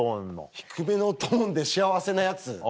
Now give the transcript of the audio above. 低めのトーンで幸せなヤツ？